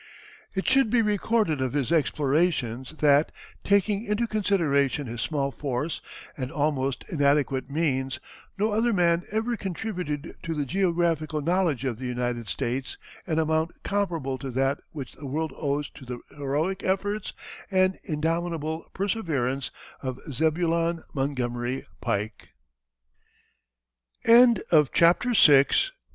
It should be recorded of his explorations that, taking into consideration his small force, and almost inadequate means, no other man ever contributed to the geographical knowledge of the United States an amount comparable to that which the world owes to the heroic efforts and indomitable perseverance of Zebulon Montgomery Pike. FOOTNOTE: He obtained his captaincy in August, 1806. VII.